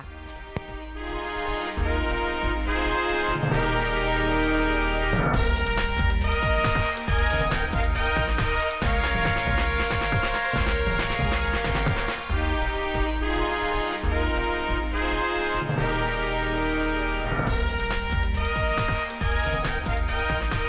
สวัสดีครับ